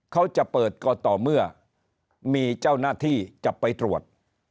เขาจะเปิดก็ต่อเมื่อมีเจ้าหน้าที่จะไปตรวจ